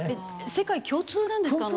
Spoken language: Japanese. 世界共通なんですか？